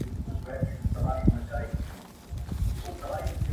مه مسج کوه مه خط راته رالېږه